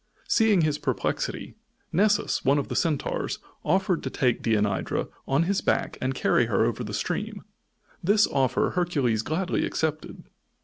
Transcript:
Seeing his perplexity, Nessus, one of the Centaurs, offered to take Deianira on his back and carry her over the stream. This offer Hercules gladly accepted.